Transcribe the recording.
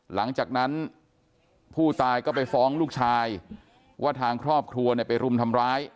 หลังจากนั้นผู้ตายก็ไปฟ้องลูกชายว่าทางครอบครัวเนี่ยไปรุมทำร้าย